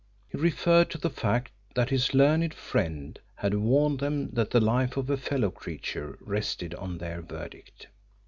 He referred to the fact that his learned friend had warned them that the life of a fellow creature rested on their verdict.